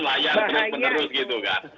layar terus terus gitu